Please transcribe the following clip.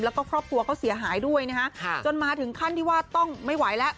แล้วก็ครอบครัวเขาเสียหายด้วยนะฮะจนมาถึงขั้นที่ว่าต้องไม่ไหวแล้ว